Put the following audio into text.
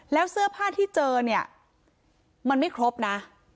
แล้วเสื้อผ้าที่เจอเนี่ยมันไม่ครบนะ